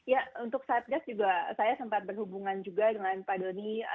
ya untuk satgas juga saya sempat berhubungan juga dengan pak doni